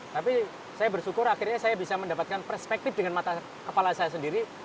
tapi saya bersyukur akhirnya saya bisa mendapatkan perspektif dengan mata kepala saya sendiri